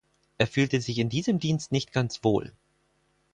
Er fühlte sich in diesem Dienst nicht ganz wohl.